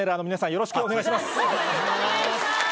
よろしくお願いします。